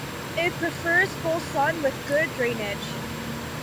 It prefers full sun with good drainage.